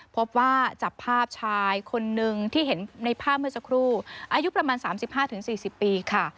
พบว่าจับภาพชายคนนึงที่เห็นในภาพเมื่อสักครู่อายุประมาณ๓๕๔๐ปีค่ะ